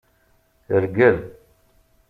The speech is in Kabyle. Rgel.